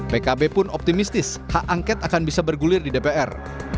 pkb pun optimistis hak angket akan bisa bergulir di dpr